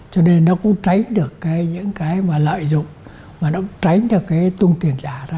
cho nên nó cũng tránh được cái những cái mà lợi dụng mà nó cũng tránh được cái tung tiền giả ra